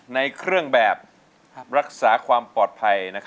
ในเครื่องแบบรักษาความปลอดภัย